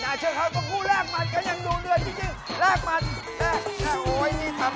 แล้วทุกครับแพงทำงานกัน